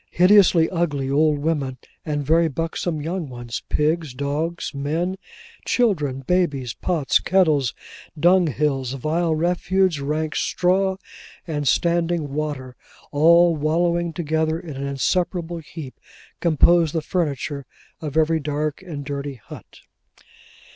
Hideously ugly old women and very buxom young ones, pigs, dogs, men, children, babies, pots, kettles, dung hills, vile refuse, rank straw, and standing water, all wallowing together in an inseparable heap, composed the furniture of every dark and dirty hut.